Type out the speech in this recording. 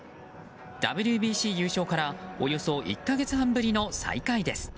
ＷＢＣ優勝からおよそ１か月半ぶりの再会です。